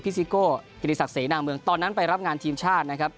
ซิโก้กิริสักเสนาเมืองตอนนั้นไปรับงานทีมชาตินะครับ